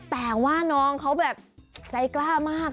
แต่ว่าน้องเขาแบบใจกล้ามาก